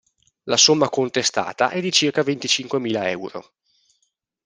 La somma contestata è di circa venticinquemila euro.